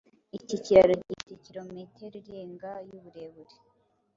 Iki kiraro gifite kilometero irenga y’uburebure